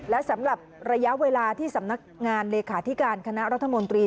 และสำหรับระยะเวลาที่สำนักงานเลขาธิการคณะรัฐมนตรี